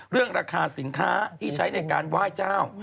เรื่องราคาสินค้าที่ใช้ในการไหว้เจ้า